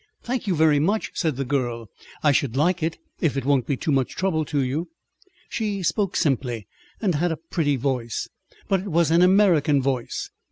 "Thank you very much," said the girl. "I should like it, if it won't be too much trouble to you." She spoke simply, and had a pretty voice, but it was an American voice.